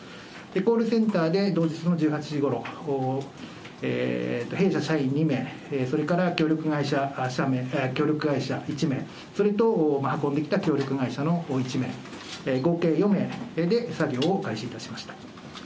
コールセンターで同日の１８時ごろ、弊社社員２名、それから協力会社１名、それと運んできた協力会社の１名、合計４名で作業を開始いたしました。